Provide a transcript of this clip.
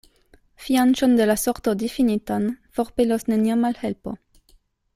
Fianĉon de la sorto difinitan forpelos nenia malhelpo.